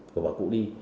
và bảo cụ đi